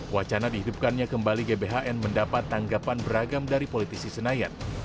wacana dihidupkannya kembali gbhn mendapat tanggapan beragam dari politisi senayan